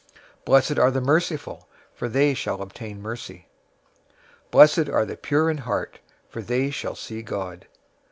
005:007 Blessed are the merciful, for they shall obtain mercy. 005:008 Blessed are the pure in heart, for they shall see God.